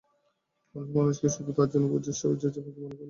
মানুষ মনে করে শুধু তার জন্যেই বুঝি সাজিয়েছে, পাখি মনে করে তার জন্যে।